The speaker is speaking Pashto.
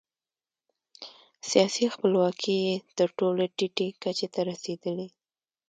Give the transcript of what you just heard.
سیاسي خپلواکي یې تر ټولو ټیټې کچې ته رسېدلې.